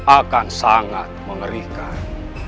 akan sangat mengerikan